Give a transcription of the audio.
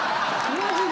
マジで。